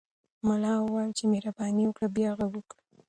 ملا وویل چې مهرباني وکړه او بیا غږ وکړه.